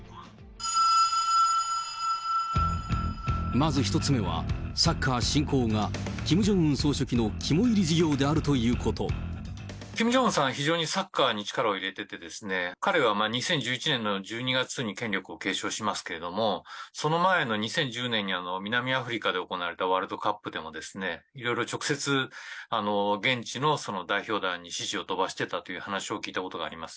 まず１つ目は、サッカーしんこうは、キム・ジョンウン総書記の肝煎り事業であるキム・ジョンウンさんは、非常にサッカーに力を入れててですね、彼は２０１１年の１２月に権力を継承しますけれども、その前の２０１０年に南アフリカで行われたワールドカップでもですね、いろいろ直接、現地のその代表団に指示を飛ばしていたという話を聞いたことがあります。